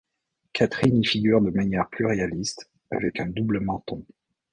Catherine y figure de manière plus réaliste, avec un double menton.